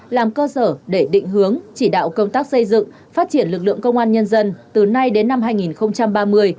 làm cơ sở để định hướng chỉ đạo công tác xây dựng phát triển lực lượng công an nhân dân từ nay đến năm hai nghìn ba mươi